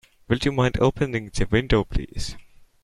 Would you mind opening the window, please?